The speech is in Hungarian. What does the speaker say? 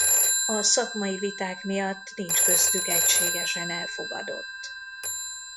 A szakmai viták miatt nincs köztük egységesen elfogadott.